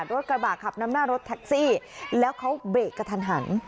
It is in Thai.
รถกระบะขับนำหน้ารถแท็กซี่แล้วเขาเบรกกระทันหัน